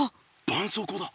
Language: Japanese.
ばんそうこうだ。